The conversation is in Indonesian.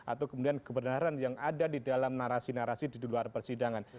atau kemudian kebenaran yang ada di dalam narasi narasi di luar persidangan